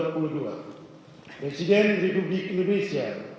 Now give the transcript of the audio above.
presiden republik indonesia